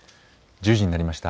１０時になりました。